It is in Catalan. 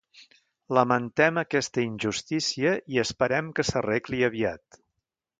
Lamentem aquesta injustícia i esperem que s'arregli aviat.